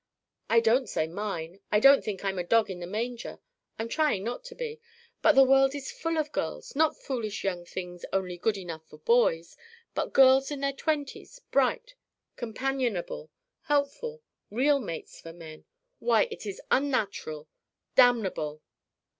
I don't say mine. Don't think I'm a dog in the manger. I'm trying not to be. But the world is full of girls not foolish young things only good enough for boys, but girls in their twenties, bright, companionable, helpful, real mates for men Why, it is unnatural, damnable!"